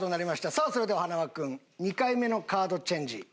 さあそれでは塙君２回目のカードチェンジ。